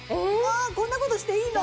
こんなことしていいの？